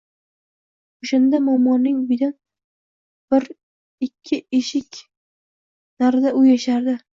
Oʻshanda momoning uyidan bir-ikki eshik narida u yashardi